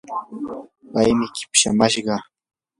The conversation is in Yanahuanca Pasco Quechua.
paymi kipshimashqa.